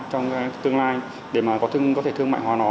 trong tương lai để mà có thể thương mại hóa nó